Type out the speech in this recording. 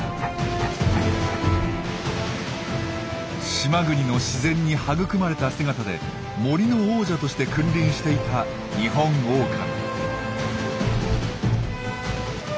島国の自然に育まれた姿で森の王者として君臨していたニホンオオカミ。